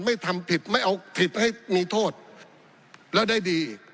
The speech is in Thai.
ทำผิดไม่เอาผิดให้มีโทษแล้วได้ดี